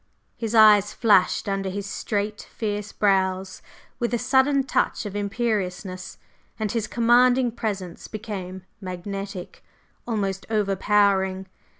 His eyes flashed under his straight, fierce brows with a sudden touch of imperiousness, and his commanding presence became magnetic, almost over powering.